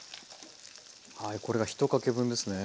はいこれが１かけ分ですね。